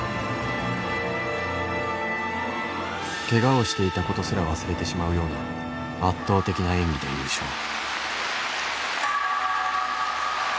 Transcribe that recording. けがをしていたことすら忘れてしまうような圧倒的な演技で優勝。